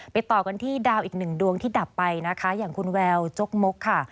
ต่อกันที่ดาวอีกหนึ่งดวงที่ดับไปนะคะอย่างคุณแววจกมกค่ะ